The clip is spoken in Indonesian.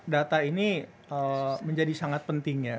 data ini menjadi sangat penting ya